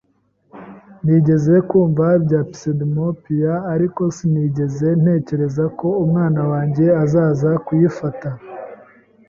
Nigeze kumva ibya pseudomyopia, ariko sinigeze ntekereza ko umwana wanjye azaza kuyifata.